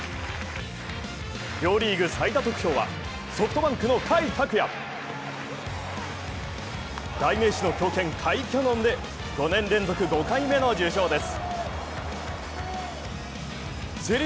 両リーグ最多得票はソフトバンクの甲斐拓也代名詞の強肩甲斐キャノンで、５年連続５回目の受賞です。